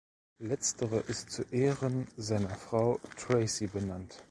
Letztere ist zu Ehren seiner Frau Tracy benannt.